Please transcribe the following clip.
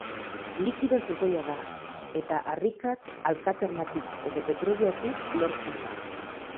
Likido sukoia da, eta harrikatz-alkaternatik edo petroliotik lortzen da.